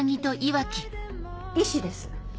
医師です。